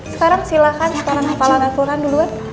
sekarang silahkan setelah nafalan alquran duluan